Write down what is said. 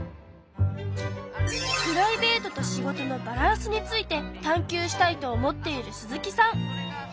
プライベートと仕事のバランスについて探究したいと思っている鈴木さん。